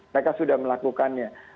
mereka sudah melakukannya